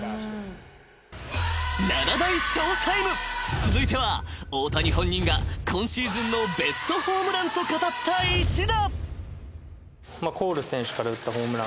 ［続いては大谷本人が今シーズンのベストホームランと語った一打］